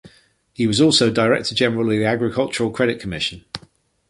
He was also director general of the Agricultural Credit Administration.